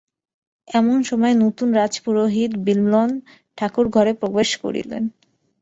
এমন সময়ে নূতন রাজ-পুরোহিত বিল্বন ঠাকুর ঘরে প্রবেশ করিলেন।